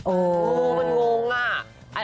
อู้ววมันงงอะ